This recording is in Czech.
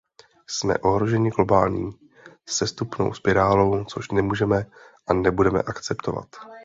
Jsme ohroženi globální sestupnou spirálou, což nemůžeme a nebudeme akceptovat.